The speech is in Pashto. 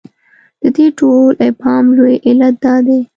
د دې ټول ابهام لوی علت دا دی.